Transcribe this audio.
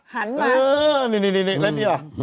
โทษนะครับ